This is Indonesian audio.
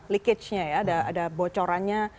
likage nya ya ada bocorannya